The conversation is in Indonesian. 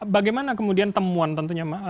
bagaimana kemudian temuan tentunya